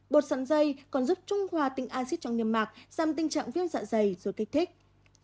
bột sắn dây còn giúp trung hòa tỉnh acid trong niềm mạc giảm tình trạng viêm dạ dày rồi kích thích